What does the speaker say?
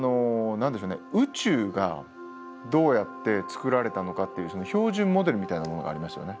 宇宙がどうやってつくられたのかっていう標準モデルみたいなものがありますよね。